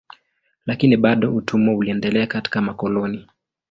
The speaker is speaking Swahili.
Lakini bado utumwa uliendelea katika makoloni.